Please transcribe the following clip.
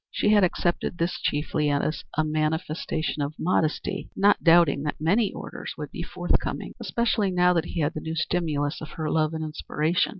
She had accepted this chiefly as a manifestation of modesty, not doubting that many orders would be forthcoming, especially now that he had the new stimulus of her love and inspiration.